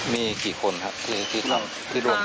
มีกี่คนที่ทำที่รวมกัน